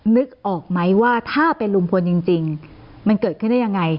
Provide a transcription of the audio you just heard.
นึกออกไหมว่าถ้าเป็นลุงพลจริงมันเกิดขึ้นได้ยังไง